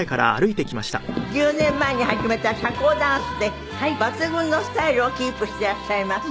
１０年前に始めた社交ダンスで抜群のスタイルをキープしていらっしゃいます。